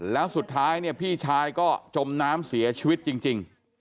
แล้วสุดท้ายเนี่ยพี่ชายก็จมน้ำเสียชีวิตจริง